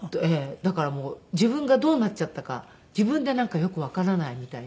だからもう自分がどうなっちゃったか自分でなんかよくわからないみたいな。